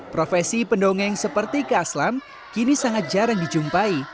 profesi pendongeng seperti kak slam kini sangat jarang dijumpai